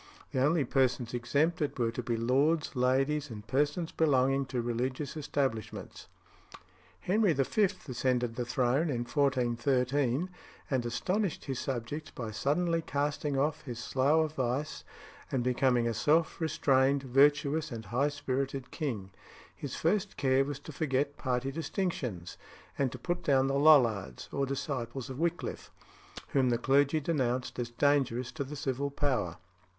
The only persons exempted were to be lords, ladies, and persons belonging to religious establishments. Henry V. ascended the throne in 1413, and astonished his subjects by suddenly casting off his slough of vice, and becoming a self restrained, virtuous, and high spirited king. His first care was to forget party distinctions, and to put down the Lollards, or disciples of Wickliffe, whom the clergy denounced as dangerous to the civil power.